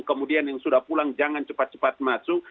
kemudian yang sudah pulang jangan cepat cepat masuk